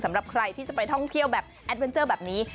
สำหรับใครที่จะไปท่องเที่ยวแบบแอดเวนเจอร์แบบนี้